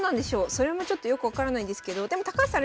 それもちょっとよく分からないんですけどでも高橋さん